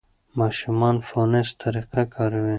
ماشومان فونس طریقه کاروي.